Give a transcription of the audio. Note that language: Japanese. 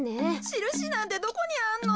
しるしなんてどこにあんの？